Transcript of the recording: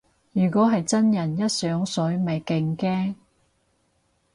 如果係真人一上水咪勁驚